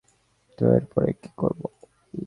তো, এরপরে কী করবো?